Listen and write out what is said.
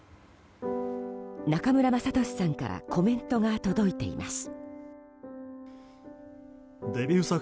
中村雅俊さんからコメントが届いています。